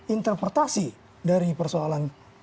interpretasi dari persoalan